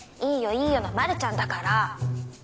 「いいよいいよ」のまるちゃんだから。